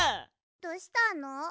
どうしたの？